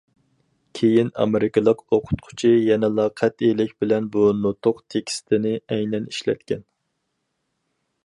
كېيىن ئامېرىكىلىق ئوقۇتقۇچى يەنىلا قەتئىيلىك بىلەن بۇ نۇتۇق تېكىستىنى ئەينەن ئىشلەتكەن.